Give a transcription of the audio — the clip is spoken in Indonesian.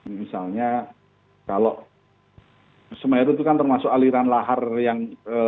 misalnya kalau semeru itu kan termasuk aliran lahar yang